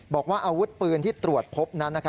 บอกว่าอาวุธปืนที่ตรวจพบนั้น